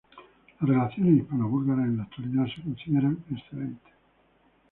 Las relaciones hispano-búlgaras en la actualidad se consideran excelentes.